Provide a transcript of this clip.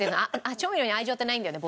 調味料に愛情ってないんだよね